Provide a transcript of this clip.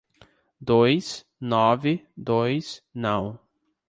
Dois, nove, dois, não.